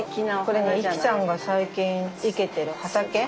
これねゆきちゃんが最近生けてる畑。